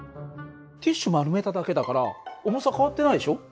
ティッシュ丸めただけだから重さ変わってないでしょ？